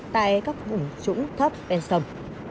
tại các vùng trũng thấp ven sông